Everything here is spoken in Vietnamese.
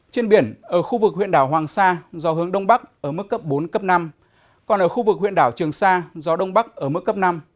trên biển ở khu vực huyện đảo hoàng sa gió hướng đông bắc ở mức cấp bốn cấp năm còn ở khu vực huyện đảo trường sa gió đông bắc ở mức cấp năm